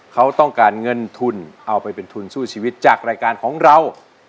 เขาต้องการเงินทุนเอาไปเป็นทุนสู้ชีวิตจากรายการของเรา